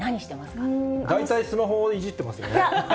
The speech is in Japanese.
うーん。大体、スマホをいじってますよね。